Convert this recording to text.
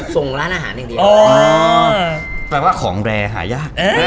ส่งร้านอาหารอย่างเดียวแปลว่าของแรร์หายาก